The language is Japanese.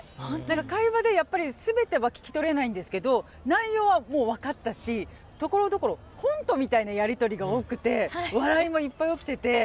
会話でやっぱり全ては聞き取れないんですけど内容はもう分かったしところどころコントみたいなやり取りが多くて笑いもいっぱい起きてて。